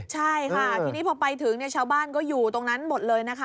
ใช่ค่ะทีนี้พอไปถึงชาวบ้านก็อยู่ตรงนั้นหมดเลยนะคะ